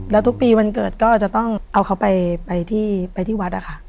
แล้วทุกปีวันเกิดก็จะต้องเอาเขาไปที่วัดนะคะ